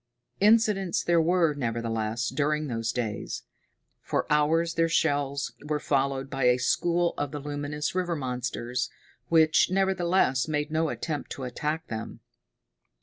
Incidents there were, nevertheless, during those days. For hours their shells were followed by a school of the luminous river monsters, which, nevertheless, made no attempt to attack them.